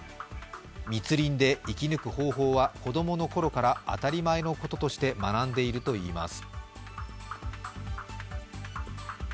密林で生き抜く方法は子供のころから当たり前のこととして学んでいるといいます。